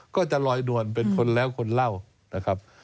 ก็จะลอยนวลเป็นคนแล้วคนเล่านะครับ